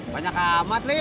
banyak amat lita